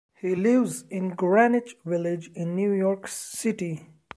He lives in Greenwich Village in New York City.